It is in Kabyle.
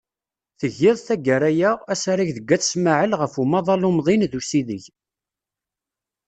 Tgiḍ, taggara-a, asarag deg Ayt Smaɛel ɣef umaḍal umḍin d usideg.